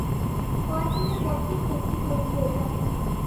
কয়েকদিনের মধ্যেই কোটটি তৈরী হয়ে যাবে।